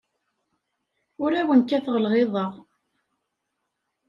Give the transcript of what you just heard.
Ur awen-kkateɣ lɣiḍa.